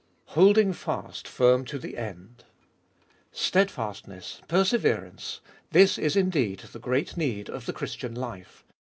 Holding fast firm to the end. Steadfastness, perseverance this is indeed the great need of the Christian life.